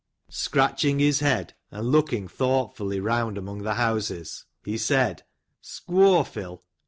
Scratching his head, and looking thoughtfully round among the houses, he said, " Scwofil